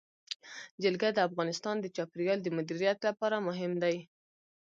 جلګه د افغانستان د چاپیریال د مدیریت لپاره مهم دي.